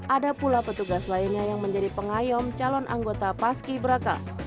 dua ribu dua puluh tiga ada pula petugas lainnya yang menjadi pengayom calon anggota paski beraka